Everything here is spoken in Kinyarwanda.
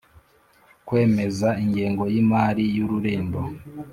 kwemeza ingengo y imari y ururembo